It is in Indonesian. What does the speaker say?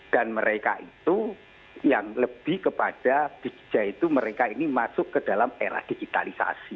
dan mereka itu yang lebih kepada bija itu mereka ini masuk ke dalam era digitalisasi